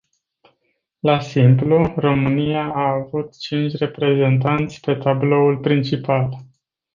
La simplu, România a avut cinci reprezentanți pe tabloul principal.